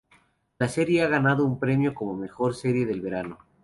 La serie ha ganado un premio como mejor serie del verano.